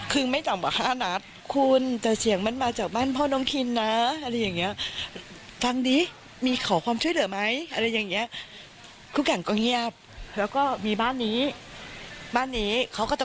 คือไม่ดังว่า๕นัท